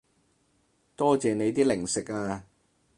多謝你啲零食啊